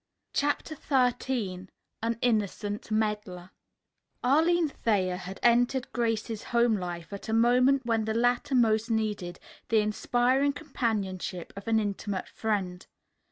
CHAPTER XIII AN INNOCENT MEDDLER Arline Thayer had entered Grace's home life at a moment when the latter most needed the inspiring companionship of an intimate friend.